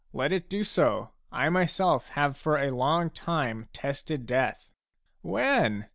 Let it do so ; I myself have for a long time tested death." " When